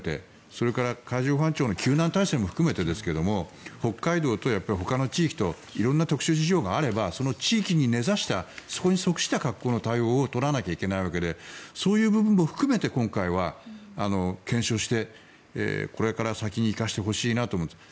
それから海上保安庁の救難体制も含めてですが北海道とほかの地域と色んな特殊事情があればその地域に根差したそこに即した格好の対応を取らなきゃいけないわけでそういう部分も含めて今回は検証してこれから先に生かしてほしいなと思うんです。